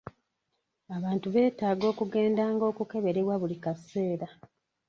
Abantu beetaaga okugendanga okukeberebwa buli kaseera.